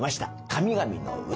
「神々の唄」